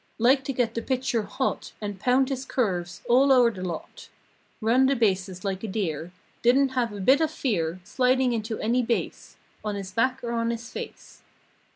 Liked to get the pitcher hot And pound his curves all o'er the lot. Run the bases like a deer; Didn't have a bit of fear Sliding into any base— On his back or on his face.